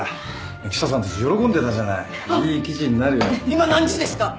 今何時ですか！？